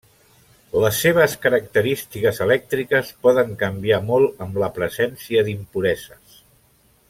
Les seves característiques elèctriques poden canviar molt amb la presència d'impureses.